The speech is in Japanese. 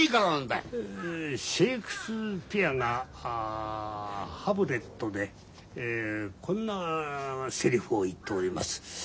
シェークスピアが「ハムレット」でこんなセリフを言っております。